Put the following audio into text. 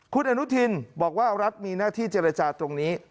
คุณอนุทินบอกว่ารัฐมีหน้าที่เจรจาตรงนี้